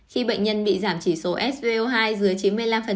khi bệnh nhân bị giảm chỉ số so hai dưới chín mươi năm